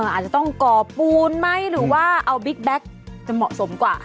อาจจะต้องก่อปูนไหมหรือว่าเอาบิ๊กแบ็คจะเหมาะสมกว่า